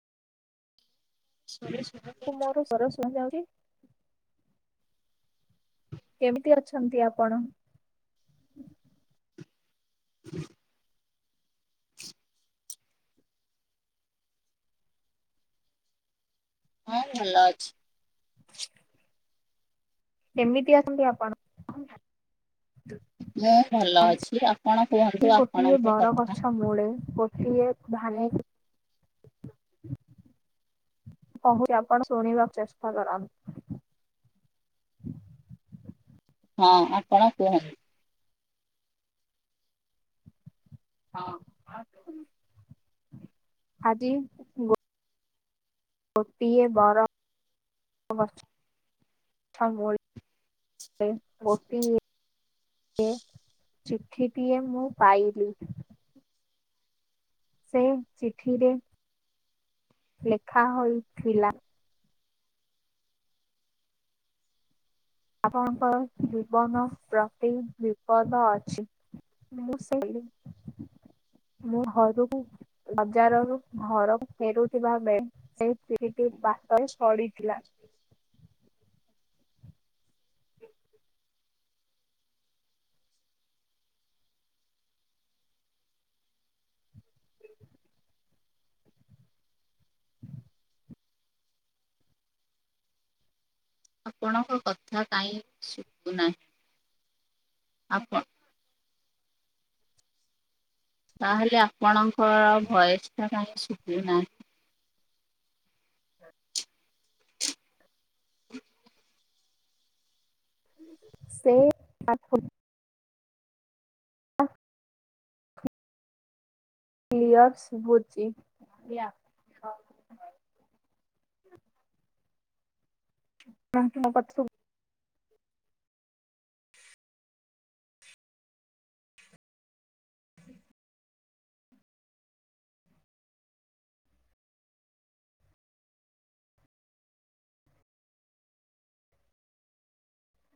[unintelligible] ତୁ ମୋର ସରସ୍ ଶୁଣା ଯାଉଛି। କେମିତି ଅଛନ୍ତି ଆପଣ। ହଁ ଭଲ ଅଛି। [unintelligible] କେମିତି ଆସନ୍ତି ଆପଣ। ମୁଁ ଭଲ ଅଛି ଆପଣ କୁହନ୍ତୁ ଗୋଟିଏ ଆପଣଙ୍କ ବର କଥା। ଗଛ ମୂଳେ। ସେଏ ଭାନଇଟି କହୁଛି ଆପଣ ଶୁଣି ବା କୁ ଚେଷ୍ଟା କର। [inaudible] ହଁ ତୁମେ କହୁନି ଆଜି। ଗୋଟିଏ ବର ଗଛ ମୂଳେ ଗୋଟିଏ। ଚିଠିଟିଏ ମୁଁ ପାଇଲି ସେ ଚିଠିରେ ଲେଖା ହୋଇଥିଲା। ଆପଣଙ୍କ ଜୀବନ ପ୍ରତି ବିପଦ ଅଛି। ମୁଁ ସେଇ ମୁଁ ହରକୁ ବଜାରରୁ ଘରକୁ ଫେରୁଥିବା ବେଳେ ସେଇତି ଟେ ବାଟ ହ ପଡିଥିଲା। [inaudible] ଆପଣଙ୍କ କଥା କାହିଁ ଶୁବୁନାହିଁ। ଆପ ତାହେଲେ ଆପଣଙ୍କ ଭୟସଟା କାହିଁ ଶୁବୁ ନାହିଁ। [inaudible] ସେ [unintelligible] ଆ। କ୍ଲିଅର ଶୁବୁଚି। [unintelligible]